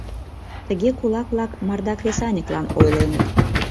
Тыге кулак-влак марда кресаньыклан ойленыт.